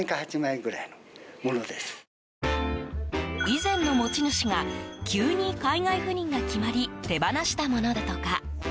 以前の持ち主が急に海外赴任が決まり手放したものだとか。